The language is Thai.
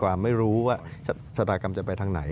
ไม่รู้ว่าชะตากรรมจะไปทางไหน